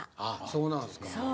そうなんです。